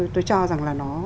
tôi cho rằng là nó